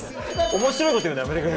面白いこと言うのやめてくれる？